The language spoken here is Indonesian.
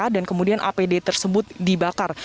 dan kemudian apd tersebut dibakar